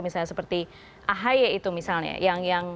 misalnya seperti ahy itu misalnya